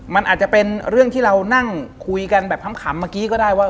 มันอาจจะเป็นเรื่องที่เรานั่งคุยกันแบบขำเมื่อกี้ก็ได้ว่า